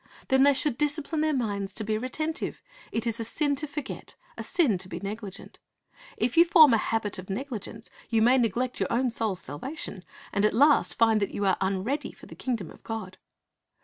Then they should discipline their minds to be retentive. It is a sin to forget, a sin to be negligent. If you form a habit of negligence, you may neglect your own soul's salvation, and at last find that you are unready for the kingdom of God.